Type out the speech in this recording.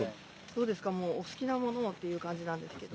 どうですかもうお好きなものをっていう感じなんですけど。